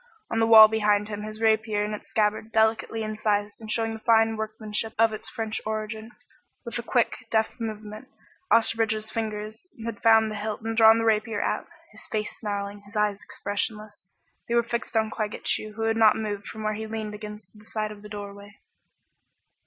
On the wall behind him hung his rapier in its scabbard, delicately incised and showing the fine workmanship of its French origin. With a quick, deft movement, Osterbridge's fingers had found the hilt and drawn the rapier out, his face snarling, his eyes expressionless. They were fixed on Claggett Chew who had not moved from where he leaned against the side of the doorway.